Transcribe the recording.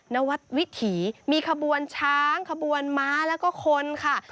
นวัดวิถีมีขบวนช้างขบวนม้าแล้วก็คนค่ะ